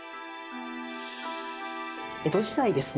江戸時代ですね